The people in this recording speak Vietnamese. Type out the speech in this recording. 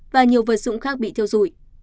và nhiều vật dụng khác bị theo dụi